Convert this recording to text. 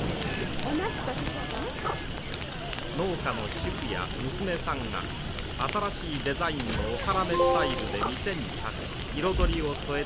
農家の主婦や娘さんが新しいデザインの大原女スタイルで店に立ち彩りを添えています。